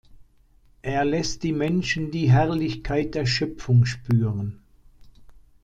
Er lässt die Menschen die Herrlichkeit der Schöpfung spüren.